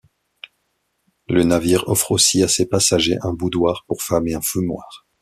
Le navire offre aussi à ses passagers un boudoir pour femmes et un fumoir.